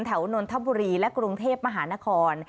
แถวนนท์ทับบุรีและกรุงเทพฯมหานคร